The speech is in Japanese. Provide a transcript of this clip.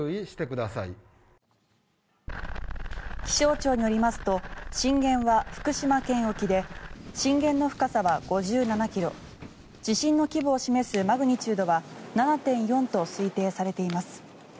気象庁によりますと震源は福島県沖で震源の深さは５７ｋｍ地震の規模を示すマグニチュードは７．４と推定されています。